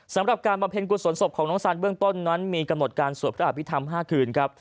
สำหรับการบำเพ็ญกุศลศพของน้องซานเบื้องต้นนั้นมีกำหนดการสวดพระอภิษฐรรม๕คืนครับ